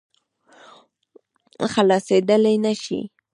خلاصېدلای نه شي.